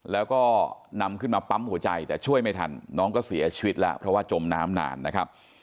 แล้วก็นำขึ้นมาปั๊มหัวใจแต่ช่วยไม่ทันน้องก็เสียชีวิตแล้วเพราะว่าจมน้ำนานนะครับ